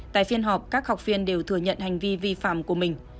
tại phiên họp các học viên đều thừa nhận hành vi vi phạm của mình